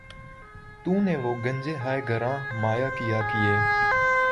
تو نے وہ گنج ہائے گراں مایہ کیا کیے